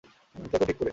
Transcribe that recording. দেখো ঠিক করে!